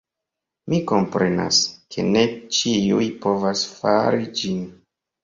Mi komprenas, ke ne ĉiuj povas fari ĝin